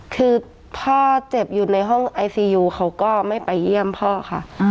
คือพ่อเจ็บอยู่ในห้องไอซียูเขาก็ไม่ไปเยี่ยมพ่อค่ะ